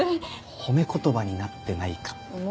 褒め言葉になってないかも。